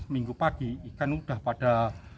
minggu pagi ikan sudah pada